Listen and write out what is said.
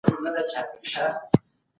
هغه لس سېبه ورکوي.